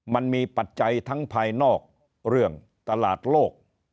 ปัจจัยทั้งภายนอกเรื่องตลาดโลก